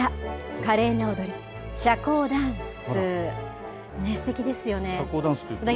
華麗な踊り、社交ダンス。